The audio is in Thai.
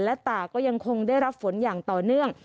และตาก็ยังคงได้รับฝนอย่างต่อเนื่อง